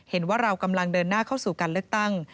เห็นว่าเรากำลังเดินหน้าเข้าสู่การเลือกตั้ง